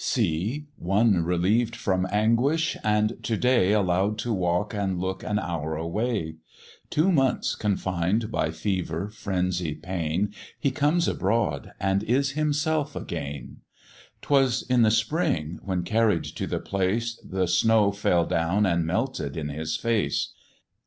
See! one relieved from anguish, and to day Allow'd to walk and look an hour away; Two months confined by fever, frenzy, pain, He comes abroad and is himself again: 'Twas in the spring, when carried to the place, The snow fell down and melted in his face.